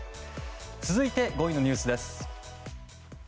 続いて、５位のニュースです。